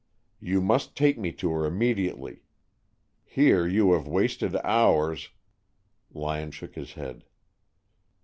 "You must take me to her immediately. Here you have wasted hours " Lyon shook his head.